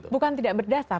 bukan tidak berdasar